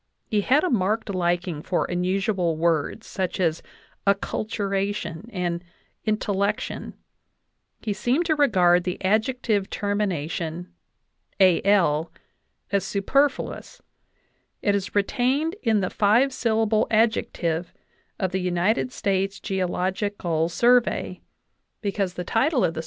He had a marked liking for unusual words, such as "acculturation" and "intellection." He seemed to regard the adjective termination, al, as super fluous ; it is retained in the five syllable adjective of the "United States Geological Survey" because the title of the 69 NATIONAL ACADEMY BIOGRAPHICAL MEMOIRS VOL.